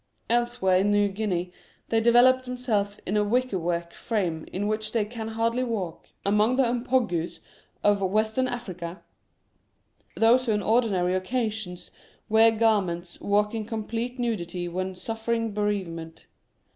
Elsewhere in New Guinea they envelop themselves in a wicker work frame in which they can hardly walk. Among the Mpongues of Western Africa, those who on ordinary occasions wear garments walk in complete nudity when suffering bereavement.